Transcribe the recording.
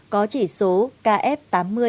có chỉ số kf tám mươi